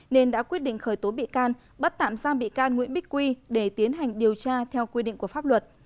nên đã quyết định khởi tố bị can bắt tạm giam bị can nguyễn bích quy để tiến hành điều tra theo quy định của pháp luật